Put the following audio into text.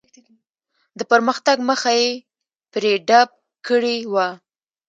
د پرمختګ مخه یې پرې ډپ کړې وه.